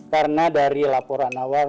karena dari laporan awal